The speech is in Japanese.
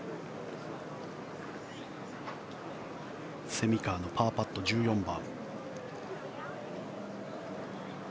蝉川のパーパット、１４番。